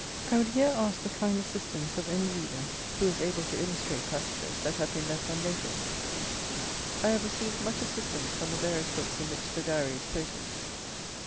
I would here ask the kind assistance of any reader who is able to illustrate passages that have been left unnoted. I have received much assistance from the various books in which the Diary is quoted.